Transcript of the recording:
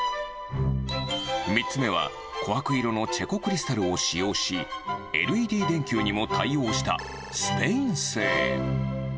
３つ目は、こはく色のチェコクリスタルを使用し、ＬＥＤ電球にも対応したスペイン製。